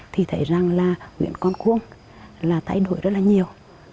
thì thấy rằng là huyện con cuông là thay đổi rất là nhiều